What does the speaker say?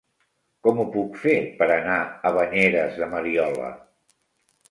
Com ho puc fer per anar a Banyeres de Mariola?